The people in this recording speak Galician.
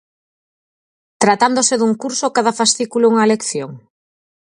Tratándose dun curso, cada fascículo é unha lección?